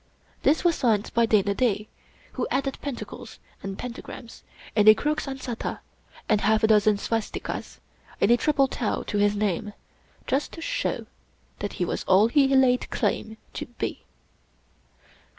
This was signed by Dana Da, who added pentacles and pentagrams, and a crux ansata, and half a dozen swastikas, and a Triple Tau to his name, just to show that he was all he laid claim to be.